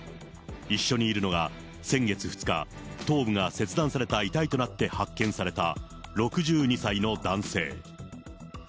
一緒にいるのが先月２日、頭部が切断された遺体となって発見された６２歳の男性。